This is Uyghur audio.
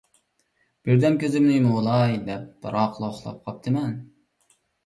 بىردەم كۆزۈمنى يۇمۇۋالاي دەپ، بىراقلا ئۇخلاپ قاپتىمەن.